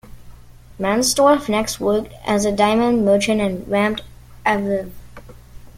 Mansdorf next worked as a diamond merchant in Ramat Aviv.